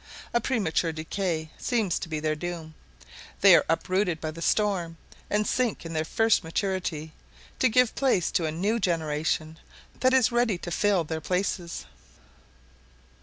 A premature decay seems to be their doom. They are uprooted by the storm, and sink in their first maturity, to give place to a new generation that is ready to fill their places.